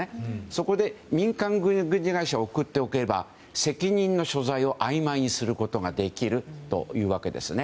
そこで民間軍事会社を送っておけば責任の所在をあいまいにすることができるというわけですね。